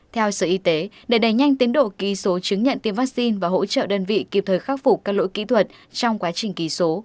theo sở y tế để đẩy nhanh tiến độ ký số chứng nhận tiêm vaccine và hỗ trợ đơn vị kịp thời khắc phục các lỗi kỹ thuật trong quá trình ký số